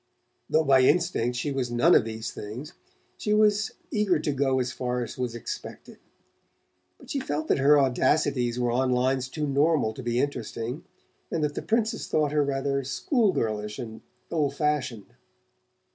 Though by instinct she was none of these things, she was eager to go as far as was expected; but she felt that her audacities were on lines too normal to be interesting, and that the Princess thought her rather school girlish and old fashioned.